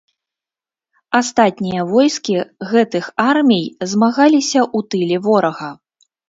Астатнія войскі гэтых армій змагаліся ў тыле ворага.